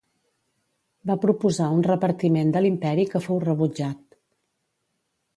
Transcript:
Va proposar un repartiment de l'imperi que fou rebutjat.